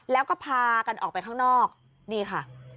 แล้วก็พากันออกไปข้างนอกนี่ค่ะ